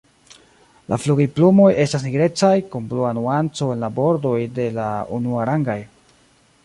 La flugilplumoj estas nigrecaj, kun blua nuanco en la bordoj de la unuarangaj.